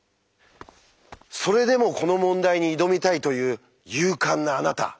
それでもこの問題に挑みたいという勇敢なあなた。